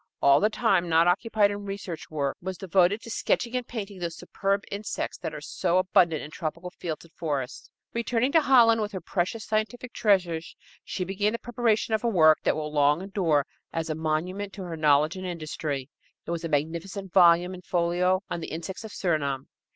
All the time not occupied in research work was devoted to sketching and painting those superb insects that are so abundant in tropical fields and forests. Returning to Holland with her precious scientific treasures, she began the preparation of a work that will long endure as a monument to her knowledge and industry. It was a magnificent volume in folio on the insects of Surinam.